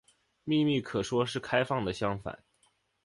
秘密可说是开放的相反。